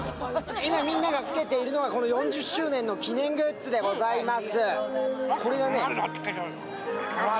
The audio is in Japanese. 今みんながつけているのが４０周年の記念グッズでございます。